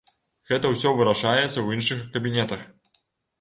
Гэта ўсё вырашаецца ў іншых кабінетах!